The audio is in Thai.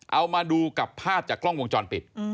เอามาดูกับภาพจากกล้องวงจรปิด